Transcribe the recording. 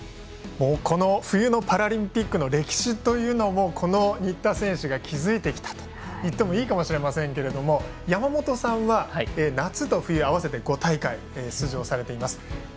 冬のパラリンピックの歴史というのを新田選手が築いてきたといってもいいかもしれませんが山本さんは、夏と冬合わせて５大会出場されています。